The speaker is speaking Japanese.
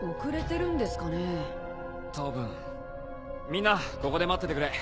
みんなここで待っててくれ。